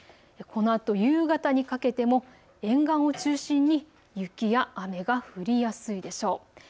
このあと夕方にかけても沿岸を中心に雪や雨が降りやすいでしょう。